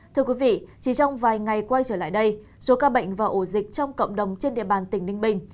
thưa quý vị chỉ trong vài ngày quay trở lại đây số ca bệnh và ổ dịch trong cộng đồng trên địa bàn tỉnh ninh bình